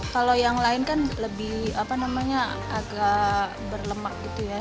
kalau yang lain kan lebih agak berlemak gitu ya